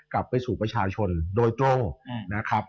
กลับไปสู่ประชาชนโดยตรงนะครับ